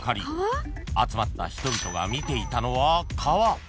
［集まった人々が見ていたのは川］